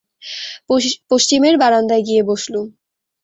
পশ্চিমের বারান্দায় গিয়ে বসলুম।